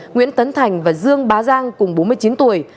nguyễn khanh và dương bá giang cùng bốn mươi chín tuổi